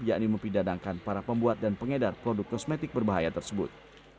yakni mempidadangkan para pembuat dan pengedar produk kosmetik berbahaya tersebut